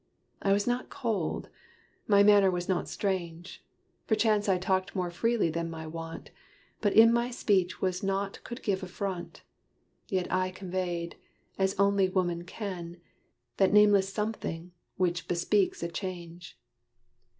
I was not cold my manner was not strange: Perchance I talked more freely than my wont, But in my speech was naught could give affront; Yet I conveyed, as only woman can, That nameless something, which bespeaks a change.